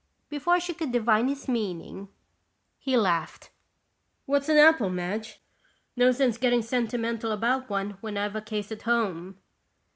Before she could divine his meaning, he laughed. "What's an apple, Madge? No sense getting sentimental about one when I've a case at home."